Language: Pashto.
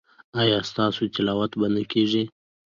ایا ستاسو تلاوت به نه کیږي؟